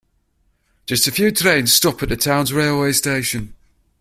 Just a few trains stop at the town's railway station.